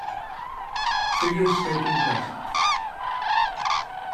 Figure Skating Classic.